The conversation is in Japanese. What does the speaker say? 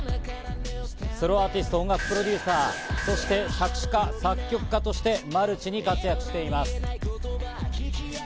ソロアーティスト、音楽プロデューサー、そして作詞家、作曲家としてマルチに活躍しています。